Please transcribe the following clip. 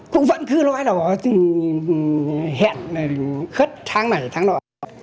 thì cũng vẫn cứ loại đó hẹn hết tháng này tháng đó